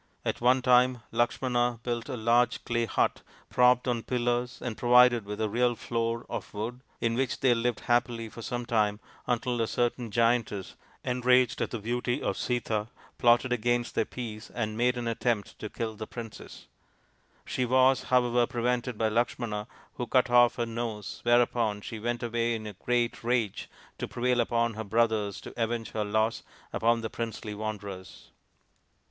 At one time Lakshmana built a large clay mt propped on pillars and provided with a real floor 24 THE INDIAN STORY BOOK of wood, in which they lived happily for some time, until a certain giantess, enraged at the beauty of Sita, plotted against their peace and made an attempt to kill the princess. She was, however, prevented by Lakshmana, who cut off her nose, whereupon she went away in a great rage to prevail upon her brothers to avenge her loss upon the princely wanderers.